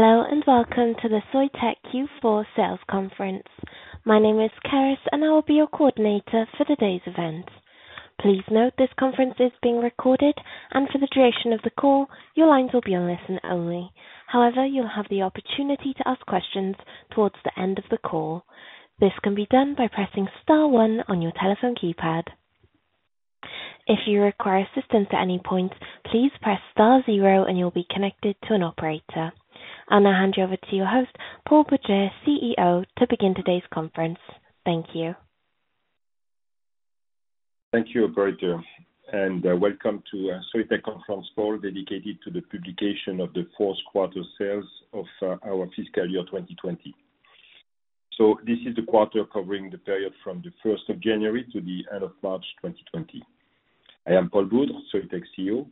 Hello and welcome to the Soitec Q4 sales conference. My name is Cerys and I will be your coordinator for today's event. Please note this conference is being recorded and for the duration of the call your lines will be on listen only. However, you'll have the opportunity to ask questions towards the end of the call. This can be done by pressing one on your telephone keypad. If you require assistance at any point, please press zero and you'll be connected to an operator. I'll now hand you over to your host, Paul Boudre, CEO to begin today's conference. Thank you. Thank you, operator, and welcome to the Soitec conference call dedicated to the publication of the fourth quarter sales of our fiscal year 2020. So this is the quarter covering the period from the 1st of January to the end of March 2020. I am Paul Boudre, Soitec CEO.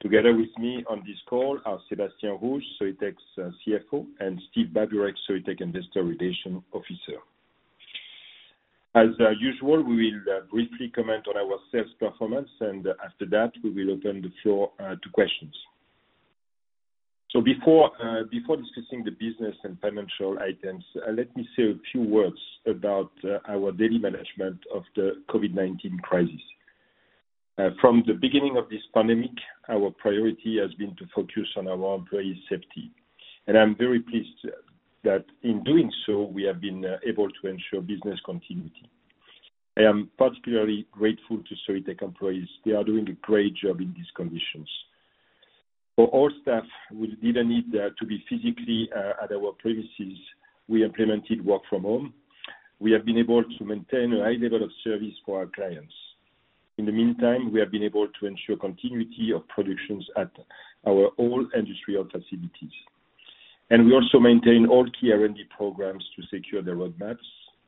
Together with me on this call are Sébastien Rouge, Soitec's CFO, and Steve Baburek, Soitec Investor Relations Officer. As usual, we will briefly comment on our sales performance, and after that we will open the floor to questions. So before discussing the business and financial items, let me say a few words about our daily management of the COVID-19 crisis. From the beginning of this pandemic, our priority has been to focus on our employees' safety, and I'm very pleased that in doing so we have been able to ensure business continuity. I am particularly grateful to Soitec employees. They are doing a great job in these conditions for all staff. We didn't need to be physically at our premises. We implemented work from home. We have been able to maintain a high level of service for our clients. In the meantime, we have been able to ensure continuity of productions at all our industrial facilities and we also maintain all key R&D programs to secure the roadmaps.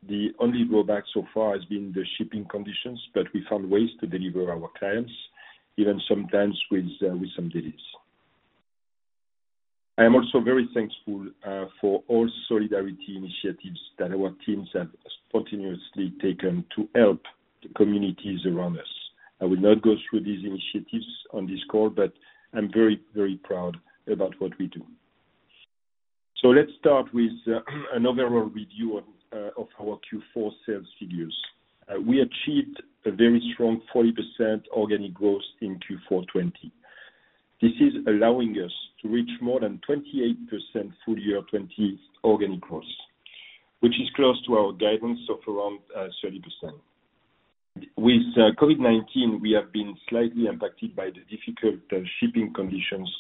The only drawback so far has been the shipping conditions, but we found ways to deliver our clients even sometimes with some delays. I am also very thankful for all solidarity initiatives that our teams have spontaneously taken to help the communities around us. I will not go through these initiatives on this call, but I'm very very proud about what we do. So let's start with an overall review of our Q4 sales figures. We achieved a very strong 40% organic growth in Q4 2020. This is allowing us to reach more than 28% full year 2020 organic growth, which is close to our guidance of around 30% with COVID-19. We have been slightly impacted by the difficult shipping conditions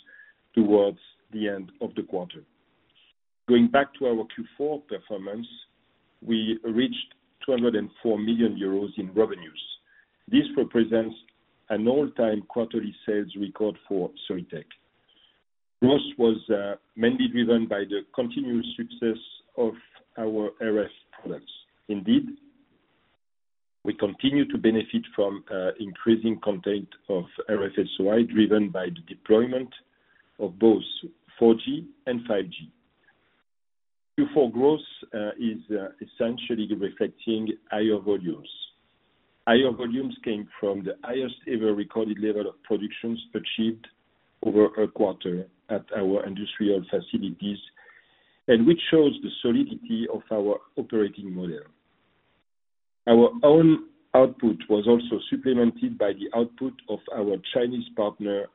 towards the end of the quarter. Going back to our Q4 performance, we reached 204 million euros in revenues. This represents an all-time quarterly sales record for Soitec. Growth was mainly driven by the continued success of our RF products. Indeed, we continue to benefit from increasing content of RF-SOI driven by the deployment of both 4G and 5G. Q4 growth is essentially reflecting higher volumes. Higher volumes came from the highest ever recorded level of productions achieved over a quarter at our industrial facilities and which shows the solidity of our operating model. Our own output was also supplemented by the output of our Chinese partner,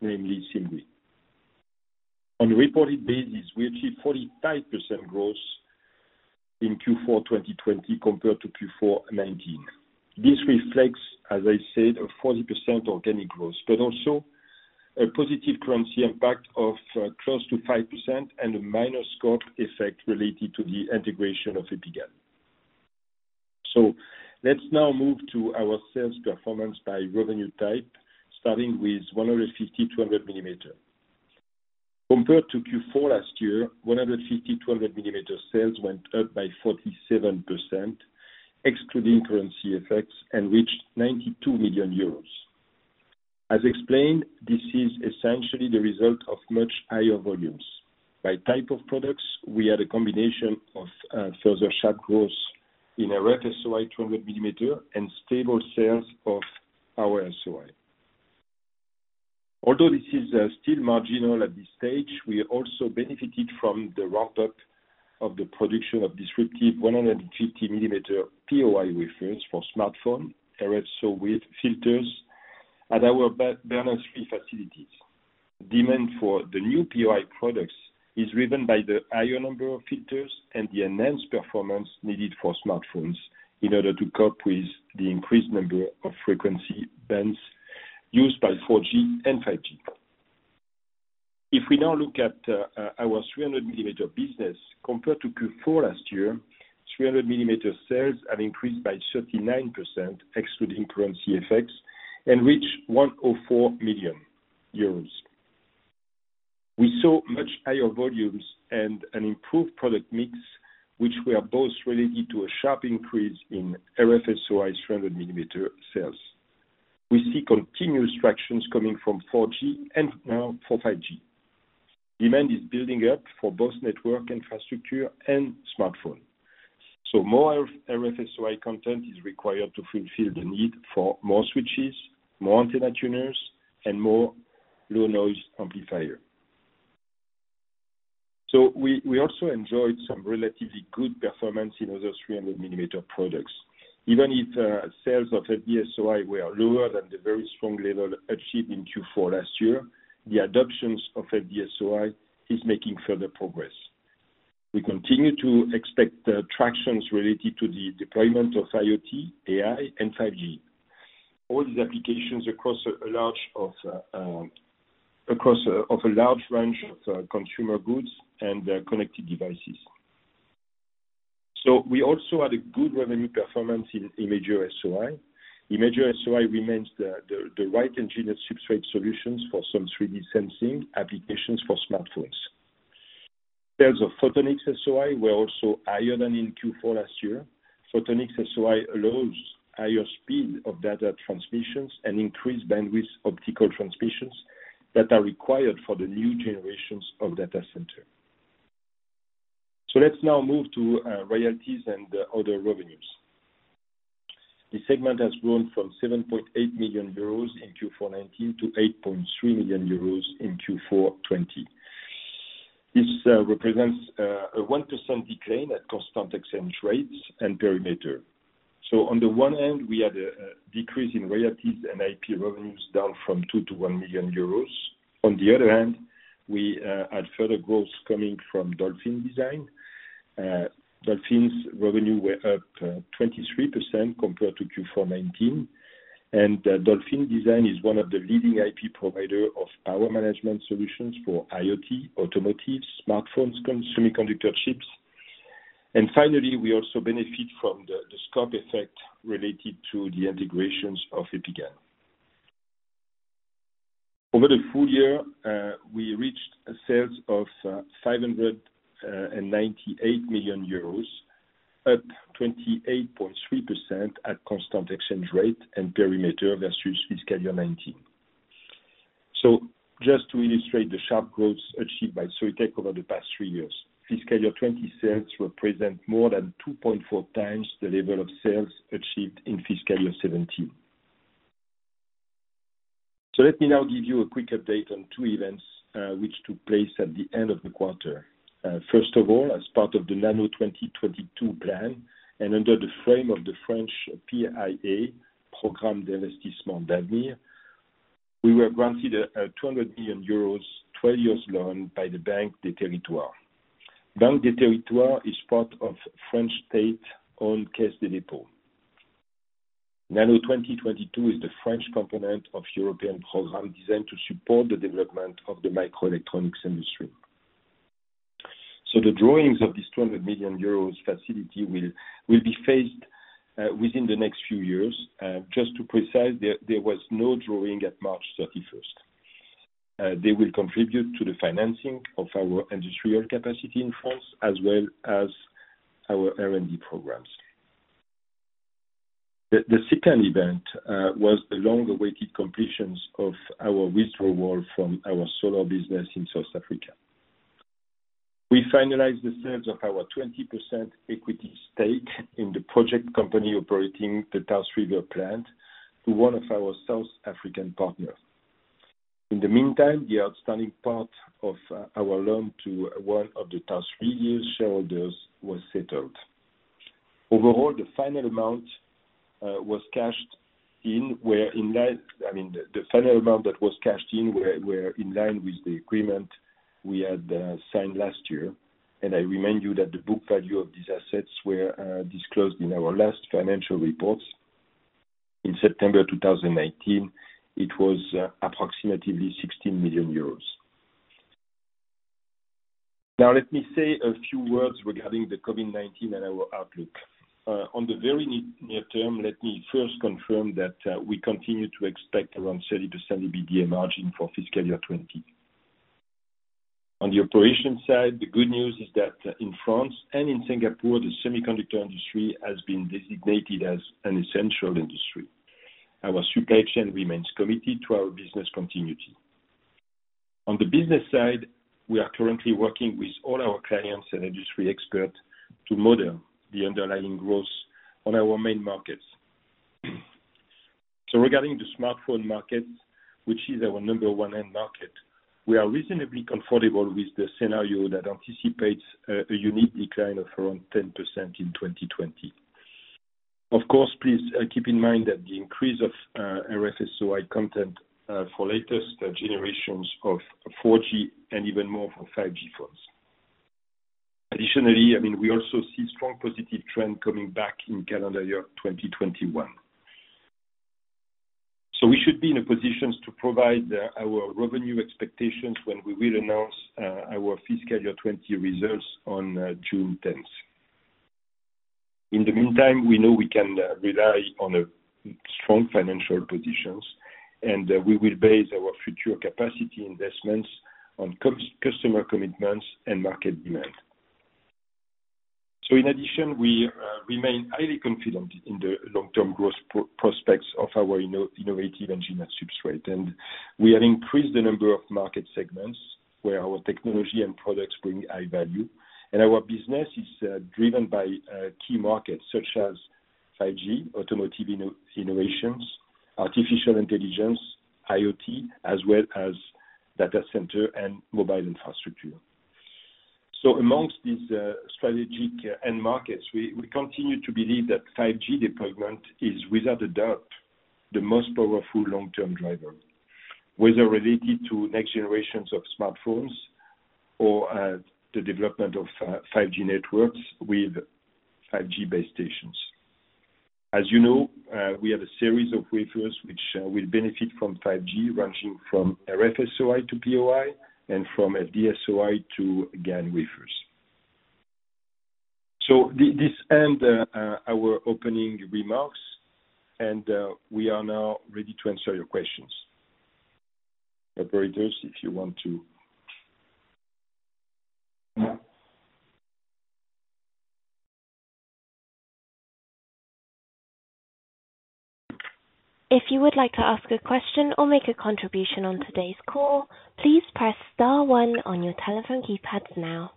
namely Simgui. On a reported basis we achieved 45% growth in Q4 2020 compared to Q4 2019. This reflects, as I said, a 40% organic growth but also a positive currency impact of close to 5% and a minor scope effect related to the integration of EpiGaN. So let's now move to our sales performance by revenue type starting with 150-200 mm compared to Q4 last year, 150-200 mm sales went up by 47% excluding currency effects and reached 92 million euros. As explained, this is essentially the result of much higher volumes by type of products. We had a combination of further strong growth in RF-SOI 200 mm and stable sales of our POI, although this is still marginal at this stage. We also benefited from the ramp up of the production of disruptive 150 mm transfer POI wafers for smartphone RF-SOI with filters at our Bernin 3 facilities. Demand for the new POI products is driven by the higher number of filters and the enhanced performance needed for smartphones in order to cope with the increased number of frequency bands used by 4G and 5G. If we now look at our 300 mm business compared to Q4 last year, 300 mm sales have increased by 39% excluding currency effects and reached 104 million euros. We saw much higher volumes and an improved product mix which were both related to a sharp increase in RF-SOI 300 mm sales. We see continuous traction coming from 4G and now for 5G. Demand is building up for both network infrastructure and smartphone, so more RF-SOI content is required to fulfill the need for more switches, more antenna tuners and more low noise amplifier. So we also enjoyed some relatively good performance in other 300 mm products. Even if sales of FD-SOI were lower than the very strong level achieved in Q4 last year, the adoptions of FD-SOI is making further progress. We continue to expect tractions related to the deployment of IoT AI and 5G. All these applications across a large range of consumer goods and connected devices. So we also had a good revenue performance in Imager-SOI. Imager-SOI remains the right engineered substrate solutions for some 3D sensing applications for smartphones. Sales of Photonics-SOI were also higher than in Q4 last year. Photonics-SOI allows higher speed of data transmissions and increased bandwidth optical transmissions that are required for the new generations of data center. Let's now move to royalties and other revenues. The segment has grown from 7.8 million euros in Q4 2019 to 8.3 million euros in Q4 2020. This represents a 1% decline at constant exchange rates and perimeter. On the one hand we had a decrease in royalties and IP revenues down from 2-1 million euros. On the other hand we had further growth coming from Dolphin Design. Dolphin's revenue were up 23% compared to Q4 2019 and Dolphin Design is one of the leading IP provider of power management solutions for IoT, automotive, smartphones, semiconductor chips. And finally, we also benefit from the scope effect related to the integrations of EpiGaN. Over the full year, we reached sales of EUR 598 million, up 28.3% at constant exchange rate and perimeter versus fiscal year 2019. Just to illustrate the sharp growth achieved by Soitec over the past three years, fiscal year 2020 sales represent more than 2.4 times the level of sales achieved in fiscal year 2017. Let me now give you a quick update on two events which took place at the end of the quarter. First of all, as part of the Nano 2022 plan and under the frame of the French PIA program Investissements d'Avenir, we were granted a 200 million euros 12-year loan by the Banque des Territoires. Banque des Territoires is part of French state-owned Caisse des Dépôts. Nano 2022 is the French component of European program designed to support the development of the microelectronics industry. So the drawdowns of this 200 million euros facility will be phased within the next few years. Just to be precise there was drawdown at March 31. They will contribute to the financing of our industrial capacity in France as well as our R&D programs. The second event was the long awaited completion of our withdrawal from our solar business in South Africa. We finalized the sales of our 20% equity stake in the project company operating the Touwsrivier plant to one of our South African partners. In the meantime, the outstanding part of our loan to one of the Touwsrivier shareholders was settled. Overall, the final amount was cashed in. Where in? I mean, the final amount that was cashed in were in line with the agreement we had signed last year. And I remind you that the book value of these assets were disclosed in our last financial reports. In September 2019, it was approximately 16 million euros. Now let me say a few words regarding the COVID-19 and our outlook on the very near term. Let me first confirm that we continue to expect around 30% EBITDA margin for fiscal year 2020. On the operations side, the good news is that in France and in Singapore, the semiconductor industry has been designated as an essential industry. Our supply chain remains committed to our business continuity. On the business side, we are currently working with all our clients and industry experts to model the underlying growth on our main markets. Regarding the smartphone market, which is our number one end market, we are reasonably comfortable with the scenario that anticipates a unique decline of around 10% in 2020. Of course, please keep in mind that the increase of RF-SOI content for latest generations of 4G and even more for 5G phones. Additionally, I mean we also see strong positive trend coming back in calendar year 2021. We should be in a position to provide our revenue expectations when we will announce our fiscal year 2020 results on June 10. In the meantime, we know we can rely on strong financial positions and we will base our future capacity investments on customer commitments and market demand. In addition, we remain highly confident in the long term growth prospects of our innovative engineered substrate. And we have increased the number of market segments where our technology and products bring high value. And our business is driven by key markets such as 5G Automotive Innovations, Artificial Intelligence, IoT, as well as data center and mobile infrastructure. So amongst these strategic end markets, we continue to believe that 5G deployment is without a doubt the most powerful long term driver, whether related to next generations of smartphones or the development of 5G networks with 5G base stations. As you know, we have a series of wafers which will benefit from 5G ranging from RF-SOI to POI and from FD-SOI to GaN wafers. So this ends our opening remarks and we are now ready to answer your questions. Operators, if you want to. If you would like to ask a question or make a contribution on today's call, please press star one on your telephone keypads now.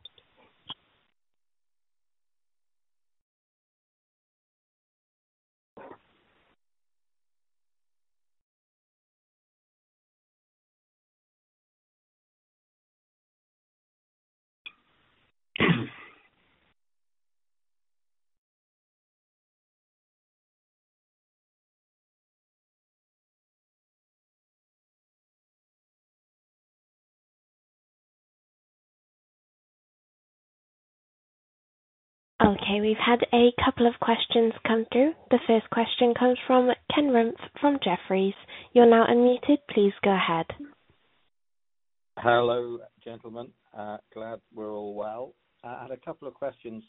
Okay, we've had a couple of questions come through. The first question comes from Ken Rumph from Jefferies. You're now unmuted. Please go ahead. Hello gentlemen. Glad we're all well, I had a. couple of questions,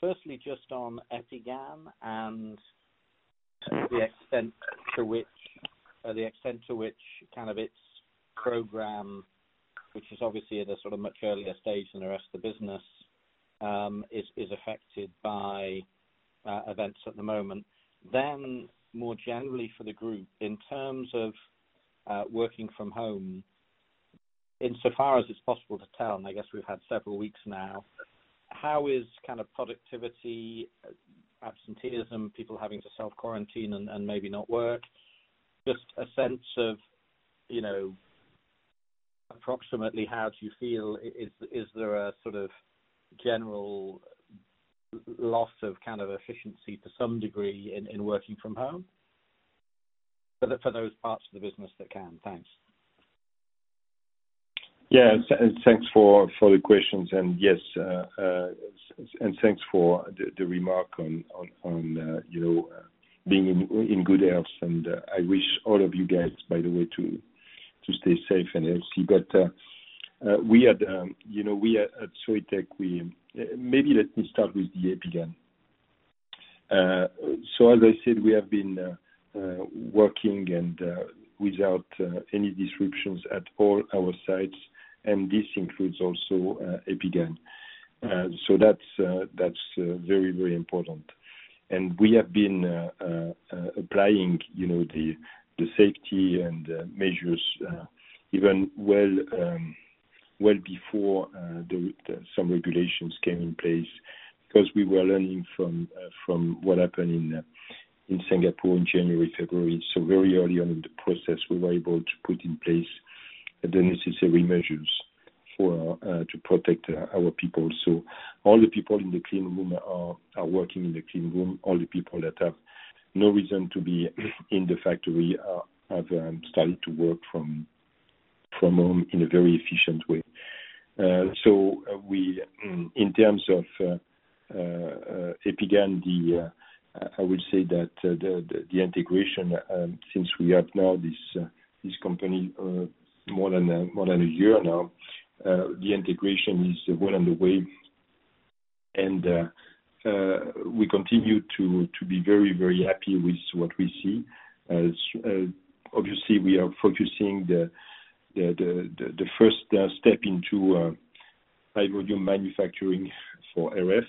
firstly just on EpiGaN. And. The extent to which candidates program. Which is obviously at a sort of. Much earlier stage than the rest of the business is affected by events at the moment. Then more generally for the group in terms of working from home, insofar as it's possible to tell, and I guess we've had several weeks now, how is kind of productivity, absenteeism, people having to self quarantine and maybe not work, just a sense of, you know, approximately how do you feel? Is there a sort of general loss of kind of efficiency to some degree in working from home for those parts of the business that can. Thanks. Yes, thanks for the questions and yes, and thanks for the remark on being in good health and I wish all of you guys by the way to stay safe and healthy. We had, you know, we at Soitec, we maybe let me start with the EpiGaN. So as I said, we have been working and without any disruptions at all our sites and this includes also EpiGaN. So that's very, very important. We have been applying the safety and measures even well before some regulations came in place because we were learning from what happened in Singapore in January, February. So very early on in the process we were able to put in place the necessary measures to protect our people. So all the people in the clean room are working in the clean room. All the people that have no reason to be in the factory have started to work from home in a very efficient way, so in terms of EpiGaN, I would say that the integration, since we have now this company more than a year now, the integration is well underway and we continue to be very, very happy with what we see. Obviously we are focusing the first step into high volume manufacturing for RF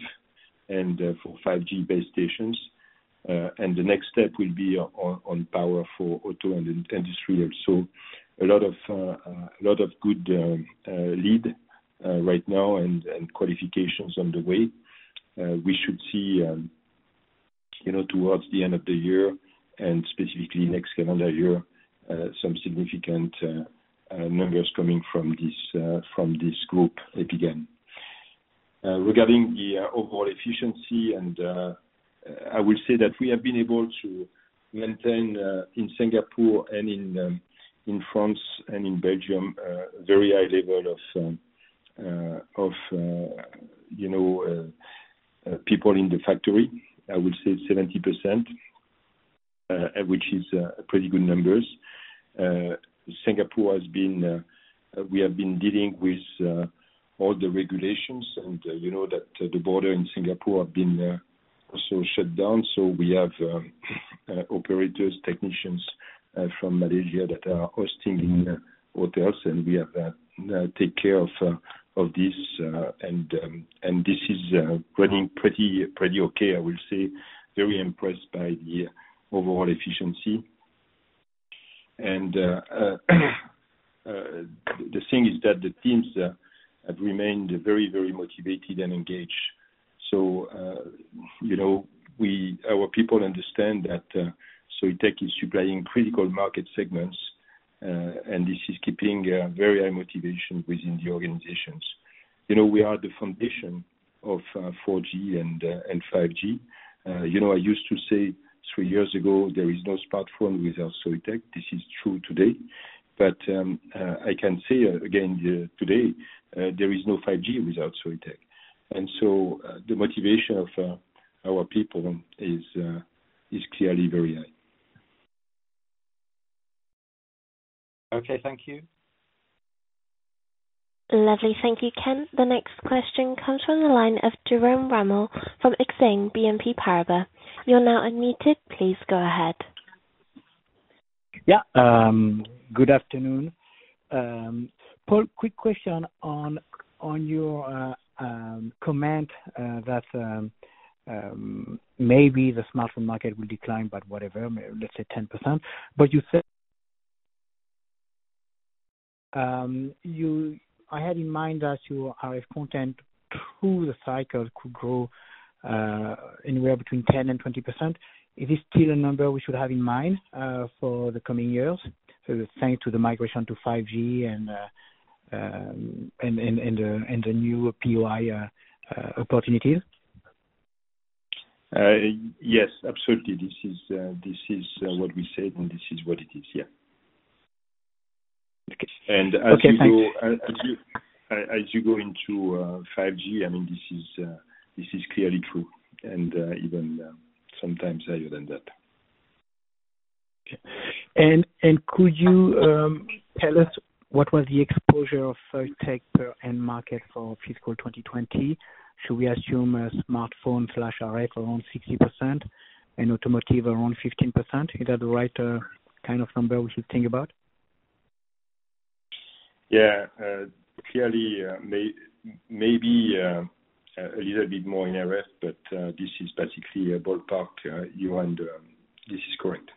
and for 5G base stations and the next step will be on power for auto industry. Also a lot of good leads right now and qualifications on the way we should see towards the end of the year and specifically next calendar year some significant numbers coming from this group. EpiGaN. Regarding the overall efficiency, I will say that we have been able to maintain in Singapore and in France and in Belgium very high level of. You. No, people in the factory. I would say 70%, which is pretty good numbers. Singapore has been. We have been dealing with all the regulations and you know that the border in Singapore has been shut down. So we have operators, technicians from Malaysia that are housed in hotels and we have taken care of this and this is running pretty okay. I will say very impressed by the overall efficiency and the thing is that the teams have remained very, very motivated and engaged. You know, our people understand that SOI tech is supplying critical market segments and this is keeping very high motivation within the organizations. You know, we are the foundation of 4G and 5G. You know, I used to say three years ago, there is no smartphone without SOI tech. This is true today. But I can say again, today there is no 5G without SOI tech, and so the motivation of our people is clearly very high. Okay, thank you. Lovely. Thank you, Ken. The next question comes from the line of Jerome Ramel from Exane BNP Paribas. You're now unmuted. Please go ahead. Yeah, good afternoon, Paul. Quick question on your comment that maybe the smartphone market will decline, but whatever, let's say 10%. But you said I had in mind that your RF content through the cycle could grow anywhere between 10% and 20%. Is this still a number we should have in mind for the coming years thanks to the migration to 5G and the new POI opportunities? Yes, absolutely. This is what we said and this is what it is. Yeah. As you go into 5G, I mean, this is clearly true and even sometimes higher than that. Could you tell us what was the exposure of tech per end market for fiscal 2020? Should we assume a smartphone RF around 60% and automotive around 15%? Is that the right kind of number we should think about? Yeah, clearly, maybe a little bit more in error, but this is basically a ballpark. This is correct.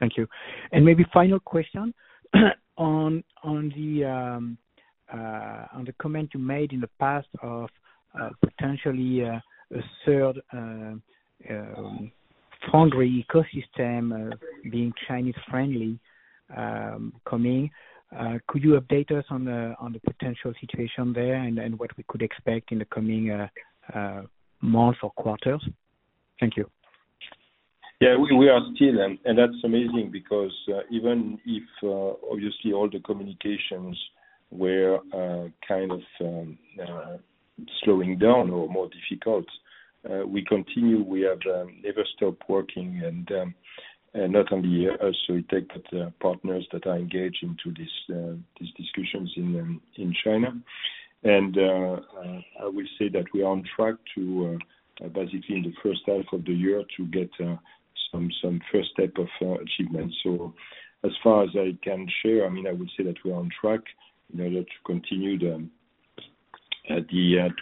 Thank you. And maybe final question on the comment you made in the past of potentially a third foundry ecosystem being Chinese friendly coming. Could you update us on the potential situation there and what we could expect in the coming months? Months or quarters? Thank you. Yeah, we are still. And that's amazing because even if obviously all the communications were kind of slowing down or more difficult, we continue. We have never stopped working and not only us, but partners that are engaged into these discussions in China. And I will say that we are on track to basically in the first half of the year to get some first step of achievement. So as far as I can share, I mean, I would say that we are on track in order to continue to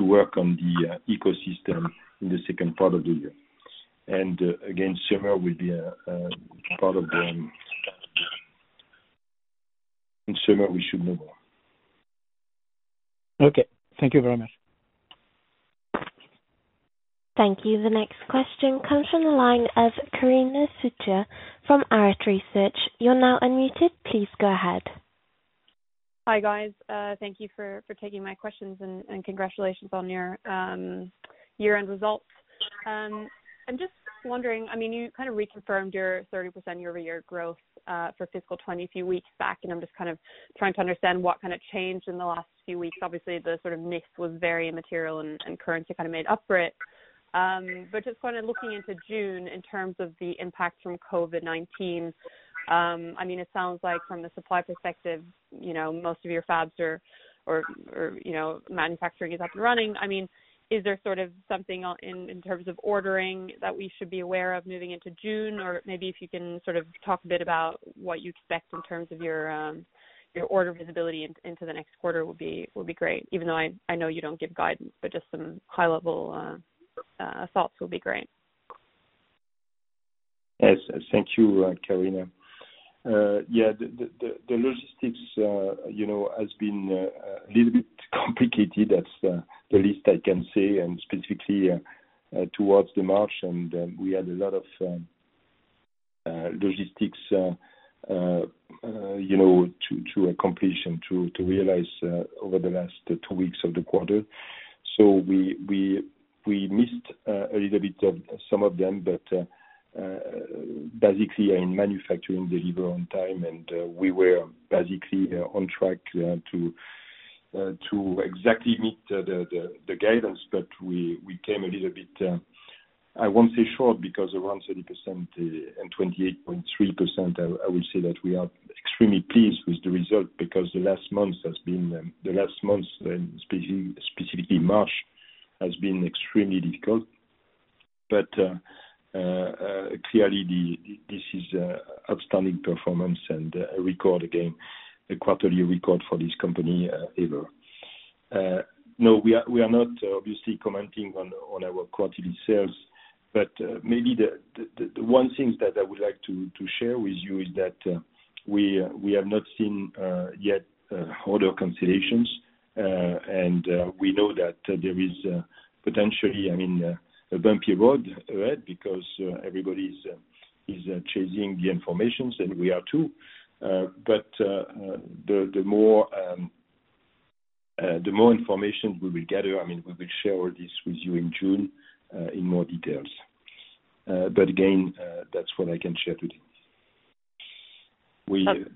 work on the ecosystem in the second part of the year. And again, summer will be part of the. Okay, thank you very much. Thank you. The next question comes from the line of Karina Sutija from Arete Research. You're now unmuted. Please go ahead. Hi guys. Thank you for taking my questions and congratulations on your year-end results. I'm just wondering, I mean you kind of recently confirmed your 30% year-over-year growth for fiscal 2020 a few weeks back. I'm just kind of trying to understand what kind of changed in the last few weeks. Obviously the sort of NIST was very immaterial and currency kind of made up for it. But just kind of looking into June in terms of the impact from COVID-19, I mean it sounds like from the supply perspective, you know, most of your fabs or you know, manufacturing is up and running. I mean, is there sort of something in terms of ordering that we should be aware of moving into June or maybe if you can sort of talk a bit about what you expect in terms of your order visibility into the next quarter would be great. Even though I know you don't give guidance, but just some high level thoughts will be great. Yes, thank you. Karina. Yeah, the logistics, you know, has been a little bit complicated. That's the least I can say. And specifically towards the March and we had a lot of logistics, you know, to accomplish and to realize over the last two weeks of the quarter. So we missed a little bit of some of them. But basically in manufacturing deliver on time and we were basically on track to exactly meet the guidance. But we came a little bit, I won't say short because around 30% and 28.3%. I would say that we are extremely pleased with the result because the last month has been. The last month, specifically March, has been extremely difficult. But clearly this is outstanding performance and record, again, a quarterly record for this company ever. No, we are not obviously commenting on our quarterly sales. But maybe the one thing that I would like to share with you is that we have not seen yet other cancellations, and we know that there is potentially a bumpy road ahead because everybody is chasing the information and we are too. But the more information we will gather, I mean, we will share all this with you in June in more details. But again, that's what I can share today.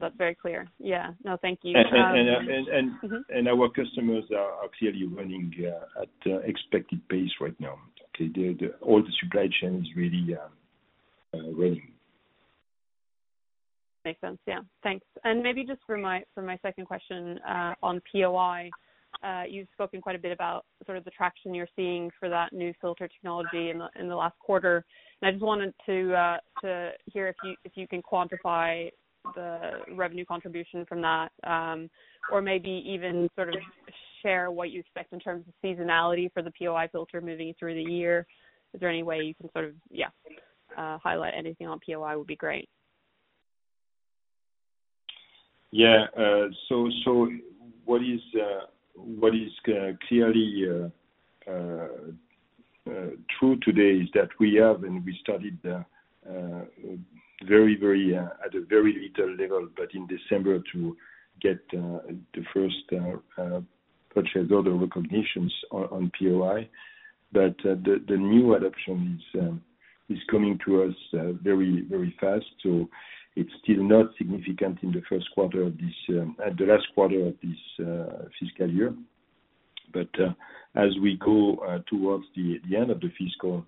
That's very clear. Yeah, no, thank you. Our customers are clearly running at expected pace right now. All the supply chain is really running. Makes sense. Yeah, thanks. And maybe just for my second question on POI, you've spoken quite a bit about sort of the traction you're seeing for that new filter technology in the last quarter. And I just wanted to hear if you can quantify the revenue contribution from that or maybe even sort of share what you expect in terms of seasonality for the POI filter moving through the year. Is there any way you can sort of. Yeah, highlight anything on POI would be great. Yeah. So what is clearly true today is that we have, and we studied very, very, at a very little level, but in December to get the first purchase order recognitions on POI. But the new adoption is coming to us very, very fast. So it's still not significant in the first quarter of this, at the last quarter of this fiscal year. But as we go towards the end of the fiscal,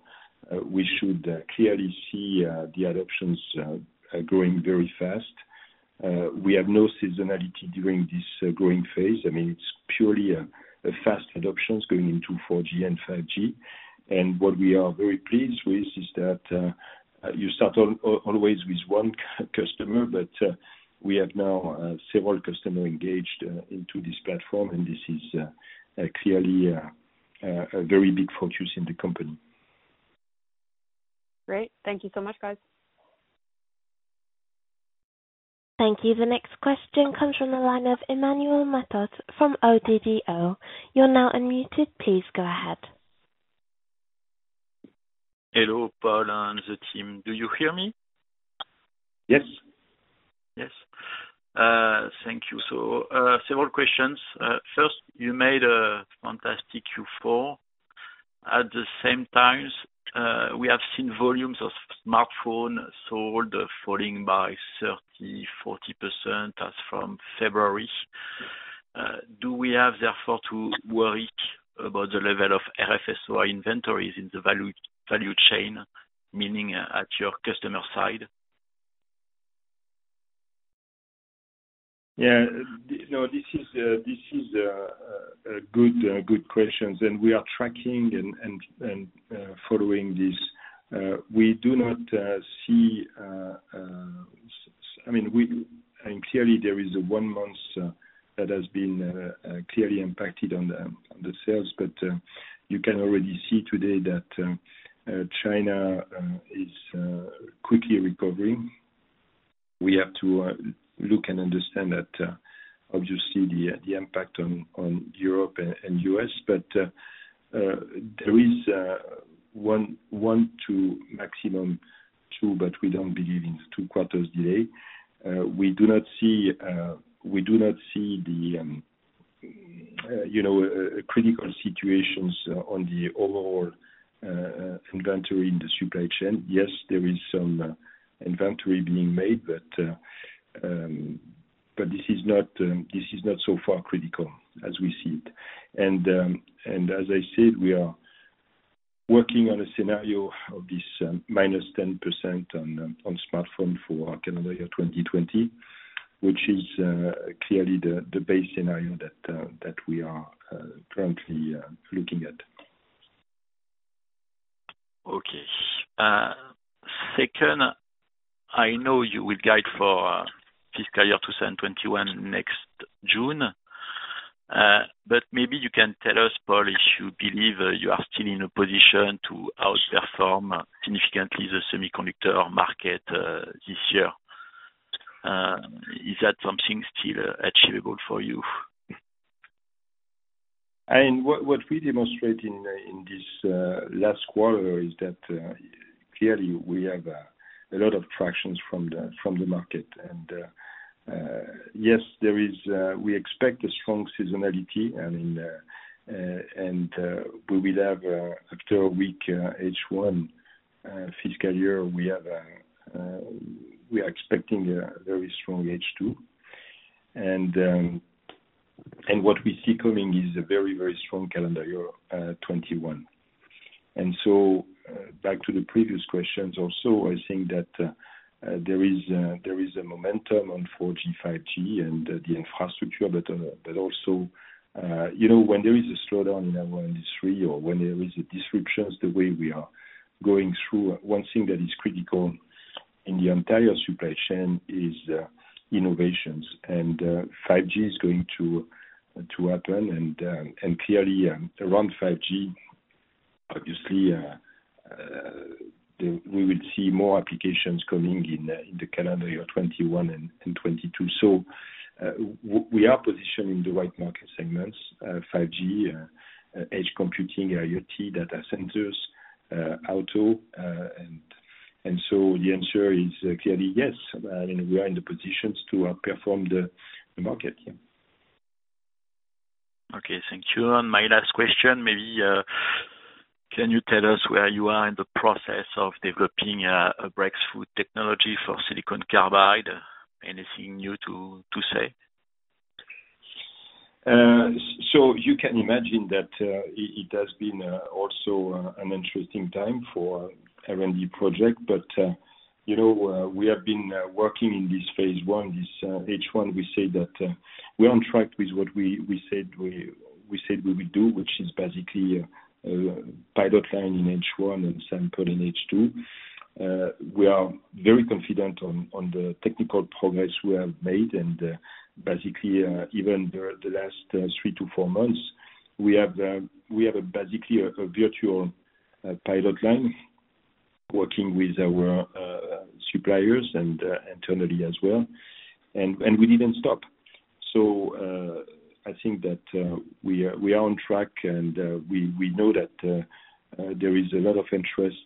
we should clearly see the adoptions growing very fast. We have no seasonality during this growing phase. I mean, it's purely a fast adoption going into 4G and 5G. And what we are very pleased with is that you start always with one customer, but we have now several customers engaged into this platform and this is clearly a very big focus in the company. Great. Thank you so much, guys. Thank you. The next question comes from the line of Emmanuel Matot from Oddo. You're now unmuted. Please go ahead. Hello, Paul and the team. Do you hear me? Yes, thank you. So, several questions. First, you made a fantastic Q4. At the same time we have seen. Volumes of smartphone sold falling by 30%-40% as from February. Do we have therefore to worry about the level of RF-SOI inventories in the value chain, meaning at your customer side? Yeah, no, this is good questions and we are tracking, following this. We do not see, I mean, clearly there is a one month that has been clearly impacted on the sales, but you can already see today that China is quickly recovering. We have to look and understand that obviously the impact on Europe and us. But there is one to maximum two, but we don't believe in two quarters delay. We do not see the, you know, critical situations on the overall inventory in the supply chain. Yes, there is some inventory being made, but this is not so far critical as we see it. As I said, we are working on a scenario of this minus 10% on smartphones for calendar year 2020, which is clearly the base scenario that we are currently looking at. Okay. Second, I know you will guide for fiscal year 2021 next June, but maybe you can tell us, Paul, if you believe you are still in a position to outperform significantly the semiconductor market this year, is that something still achievable for you? What we demonstrate in this last quarter is that clearly we have a lot of traction from the market and yes, there is. We expect a strong seasonality and we will have after a weak H1 fiscal year, we are expecting a very strong H2. And what we see coming is a very, very strong calendar year 2021. And so back to the previous questions. Also, I think that there is a momentum on 4G, 5G and the infrastructure. But also, you know, when there is a slowdown in our industry or when there is a disruption, the way we are going through, one thing that is critical in the entire supply chain is innovation. And 5G is going to. And clearly around 5G, obviously we will see more applications coming in the calendar year 2021 and 2022. So we are positioned in the right market segments, 5G edge computing, IoT data centers, auto. And so the answer is clearly, yes, we are in the positions to outperform the market. Okay, thank you. My last question, maybe can you tell us where you are in the process of developing a breakthrough technology for Silicon Carbide? Anything new to say? So you can imagine that it has been also an interesting time for R&D project, but you know, we have been working in this phase one, this H1. We say that we're on track with what we said we would do, which is basically pilot line in H1 and sample in H2. We are very confident on the technical progress we have made. And basically even the last three to four months, we have basically a virtual pilot line working with our suppliers and internally as well. And we didn't stop. So I think that we are on track and we know that there is a lot of interest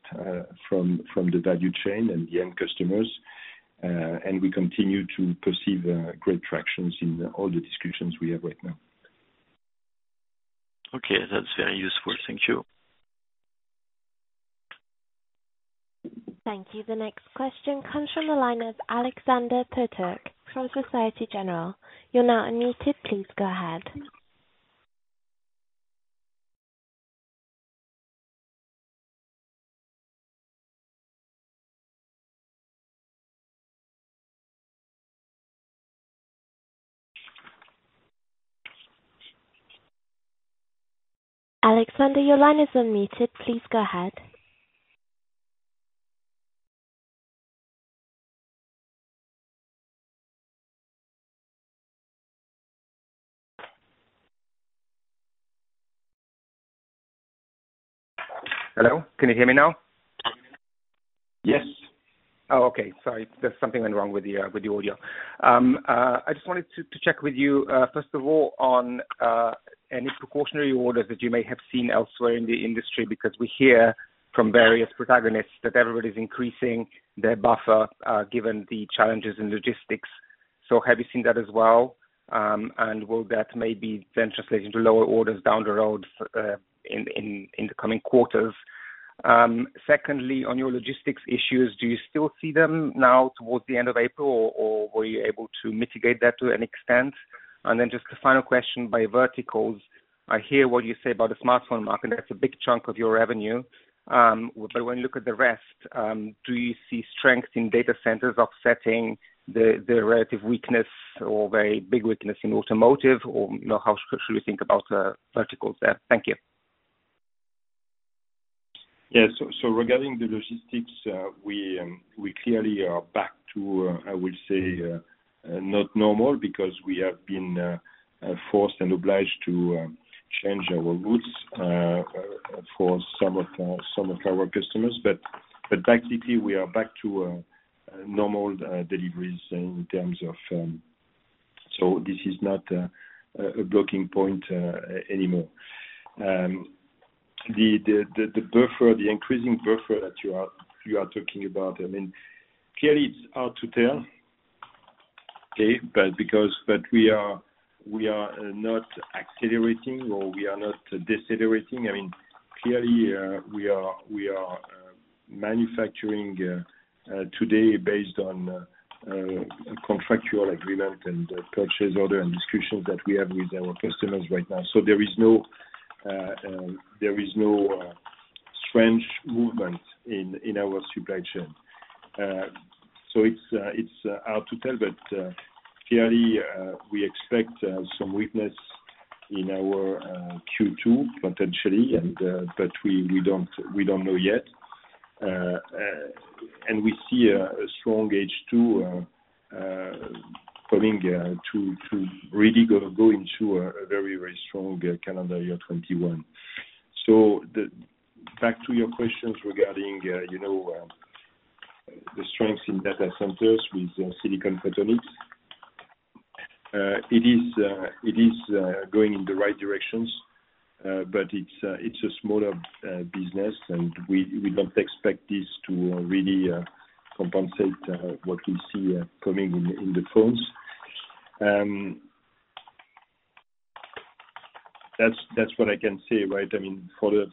from the value chain and the end customers, and we continue to perceive great traction in all the discussions we have right now. Okay, that's very useful. Thank you. Thank you. The next question comes from the line of Aleksander Peterc from Société Générale. You're now unmuted. Please go ahead. Aleksander, your line is unmuted. Please go ahead. Hello, can you hear me now? Yes. Okay. Sorry, there's something wrong with the audio. I just wanted to check with you first of all on any precautionary orders that you may have seen elsewhere in the industry, because we hear from various protagonists that everybody is increasing their buffer, given the challenges in logistics. So have you seen that as well? And will that maybe then translate into lower orders down the road in the coming quarters? Secondly, on your logistics issues, do you still see them now towards the end of April, or were you able to mitigate that to an extent? And then just a final question by verticals, I hear what you say about the smartphone market. That's a big chunk of your revenue. But when you look at the rest, do you see strength in data centers offsetting the relative weakness or very big weakness in automotive or how should we think about verticals there? Thank you. Yes. So regarding the logistics, we clearly are back to, I would say, not normal because we have been forced and obliged to change our routes for some of our customers, but basically we are back to normal deliveries in terms of, so this is not a blocking point anymore. The buffer, the increasing buffer that you are talking about, I mean clearly it's hard to tell. Okay. But because we are not accelerating or we are not decelerating, I mean clearly we are manufacturing today based on contractual agreement and purchase order and discussions that we have with our customers right now. So there is no strange movement in our supply chain. So it's hard to tell. But clearly we expect some weakness in our Q2 potentially, but we don't know yet. And we see a strong H2 coming to really go into a very, very strong calendar year 2021. So back to your questions regarding the strength in data centers with silicon photonics. It is going in the right directions, but it's a smaller business and we don't expect this to really compensate what we see coming in the phones. That's what I can say. Right? I mean for the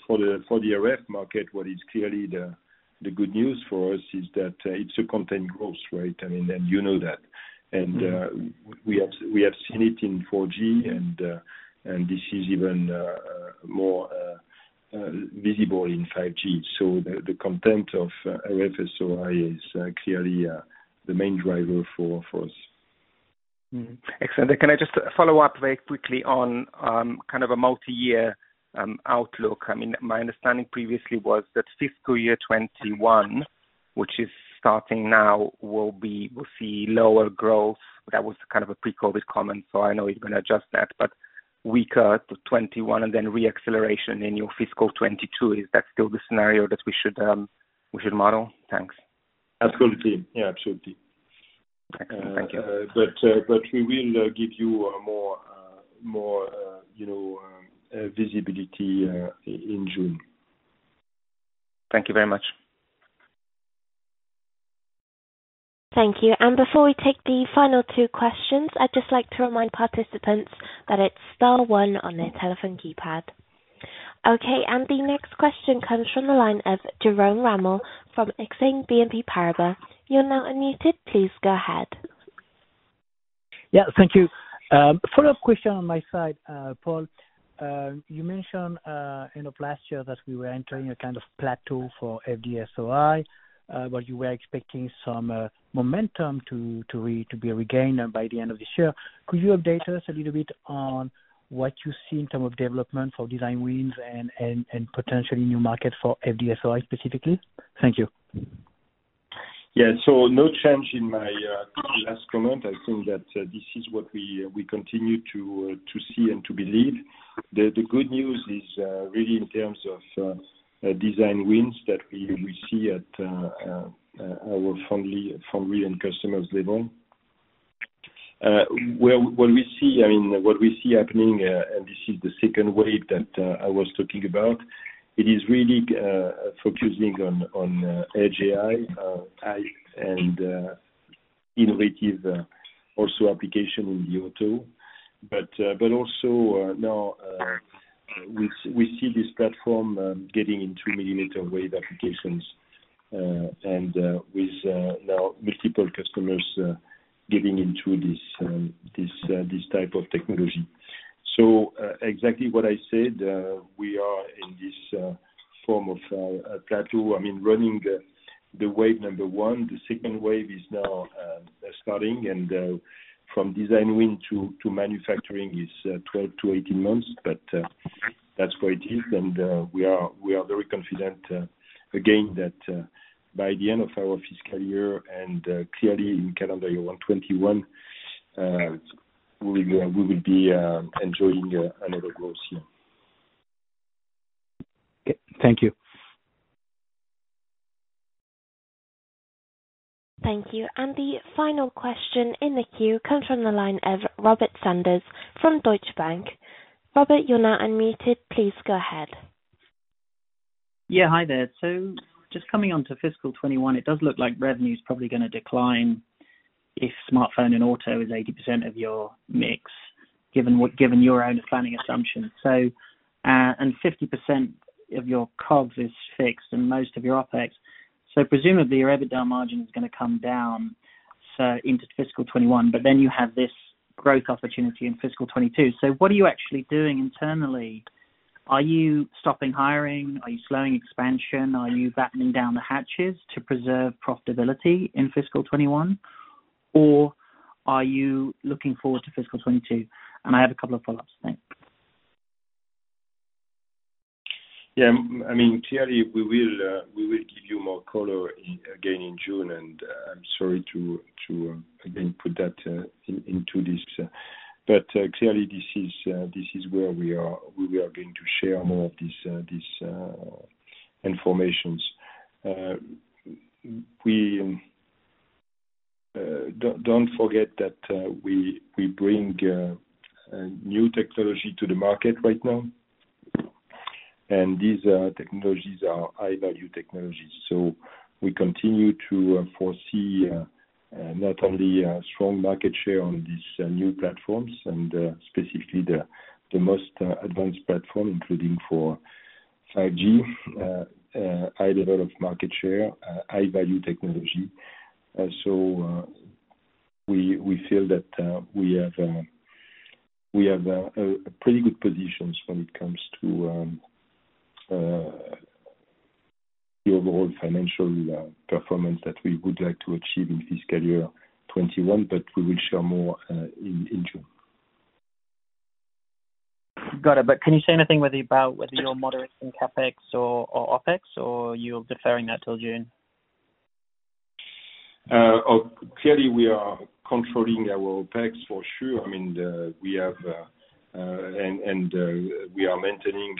RF market, what is clearly the good news for us is that it's a content growth rate. I mean, and you know that and we have seen it in 4G, and this is even more visible in 5G, so the content of RF-SOI is clearly the main driver for us. Excellent. Can I just follow up very quickly on kind of a multi-year outlook? I mean, my understanding previously was that fiscal year 2021, which is starting now, will be, will see lower growth. That was kind of a pre-COVID comment. So I know he's going to adjust that. But weaker to 2021 and then re-acceleration in your fiscal 2022. Is that still the scenario that we should model? Thanks. Absolutely. Yeah, absolutely. Thank you. But we will give you more, you know, visibility in June. Thank you very much. Thank you. And before we take the final two questions, I'd just like to remind participants that it's star one on their telephone keypad. Okay. And the next question comes from the line of Jerome Ramel from Exane BNP Paribas. You're now unmuted. Please go ahead. Yeah, thank you. Follow up question on my side. Paul, you mentioned last year that we were entering a kind of plateau for FD-SOI, but you were expecting some momentum to be regained by the end of this year. Could you update us a little bit on what you see in terms of development for design wins and potentially new markets for FD-SOI specifically. Thank you. Yeah, so no change in my last comment. I think that this is what we continue to see and to believe. The good news is really in terms of design wins that we see at our foundry and customers level, what we see, I mean what we see happening, and this is the second wave that I was talking about. It is really focusing on AI and innovative applications in the auto, but also now we see this platform getting into mm wave applications and with now multiple customers getting into this type of technology, so exactly what I said, we are in this form of plateau, I mean running the wave number one. The second wave is now starting and from design win to manufacturing is 12-18 months, but that's where it is. We are very confident again that by the end of our fiscal year and clearly in calendar year 2021, we will be enjoying another growth year. Thank you. Thank you. And the final question in the queue comes from the line of Robert Sanders from Deutsche Bank. Robert, you're now unmuted. Please go ahead. Yeah, hi there. So just coming on to fiscal 2021. It does look like revenue is probably going to decline if smartphone and auto is 80% of your mix given your own planning assumptions and 50% of your COGS is fixed and most of your OpEx. So presumably your EBITDA margin is going to come down into fiscal 2021. But then you have this growth opportunity in fiscal 2022. So what are you actually doing internally? Are you stopping hiring? Are you slowing expansion? Are you battening down the hatches to preserve profitability in fiscal 2021? Or are you looking forward to fiscal 2022? And I have a couple of follow ups. Yeah, I mean, clearly we will give you more color again in June, and I'm sorry to again put that into this, but clearly this is where we are going to share more of these information. We. Don't forget that we bring new technology to the market right now and these technologies are high value technologies, so we continue to foresee not only strong market share on these new platforms and specifically the most advanced platform, including for 5G high level of market share, high value technology, so we feel that we have pretty good positions when it comes to the overall financial performance that we would like to achieve in fiscal year 2021, but we will share more in June. Got it. But can you say anything about whether you're moderating CapEx or OpEx or you're deferring that till June? Clearly we are controlling our OpEx for sure. I mean we have and we are maintaining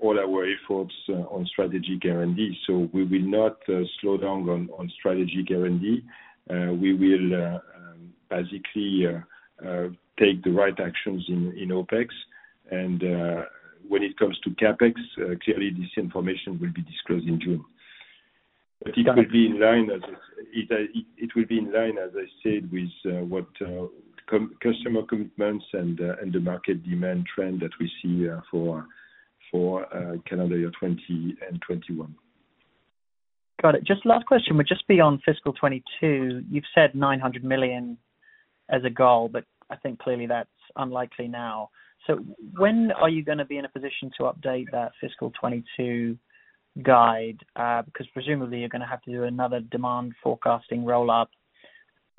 all our efforts on strategic R&D. So we will not slow down on strategic R&D. We will basically take the right actions in OpEx, and when it comes to CapEx, clearly this information will be disclosed in June, but it will be in line, as I said, with what customer commitments and the market demand trend that we see for calendar year 2021. Got it. Just last question would just be on fiscal 2022. You've said 900 million as a goal, but I think clearly that's unlikely now. So when are you going to be in a position to update that fiscal 2022 guide? Because presumably you're going to have to do another demand forecasting roll up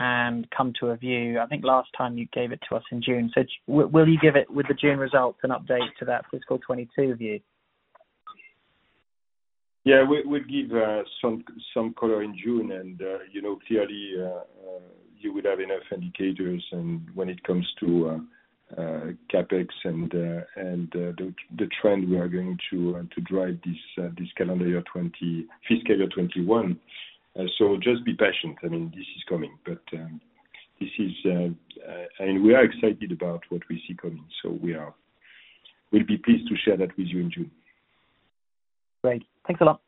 and come to a view. I think last time you gave it to us in June. So will you give it with the June results, an update to that fiscal 2022 view? Yeah, we'll give some color in June and you know, clearly you would have enough indicators when it comes to CapEx and the trend we are going to drive this calendar year 2020, fiscal year 2021. So just be patient. I mean this is coming, but this is and we are excited about what we see coming. So. We are, we'll be pleased to share that with you in June. Great. Thanks a lot.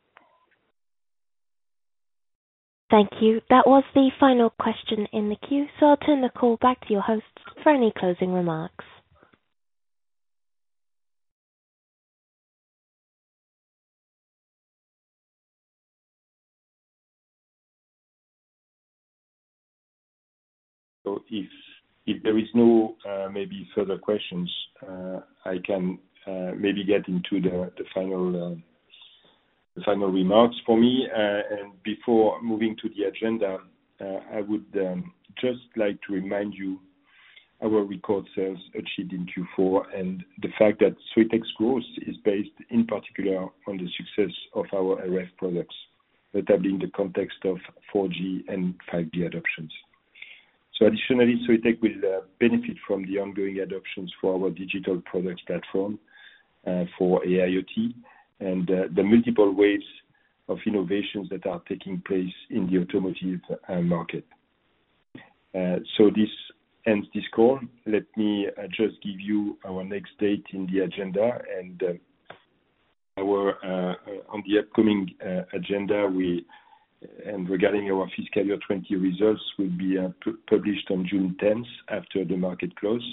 Thank you. That was the final question in the queue. So I'll turn the call back to your hosts for any closing remarks. If there are no further questions, I can get into the final remarks for me. Before moving to the agenda, I would just like to remind you of our record sales achieved in Q4 and the fact that Soitec's growth is based in particular on the success of our RF products, notably in the context of 4G and 5G adoptions. Additionally, Soitec will benefit from the ongoing adoptions for our Digital products platform, for AIoT and the multiple waves of innovations that are taking place in the automotive market. This ends this call. Let me just give you our next date in the agenda and on the upcoming agenda and regarding our fiscal year 2020 results will be published on June 10 after the market close.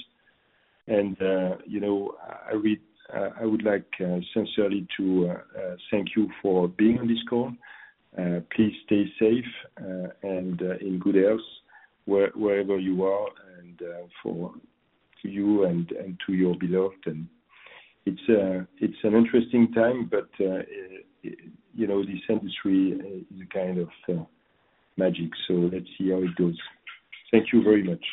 You know, I would like sincerely to thank you for being on this call. Please stay safe and in good health wherever you are and for you and to your beloved. It's an interesting time but you know, this industry is a kind of magic. Let's see how it goes. Thank you very much.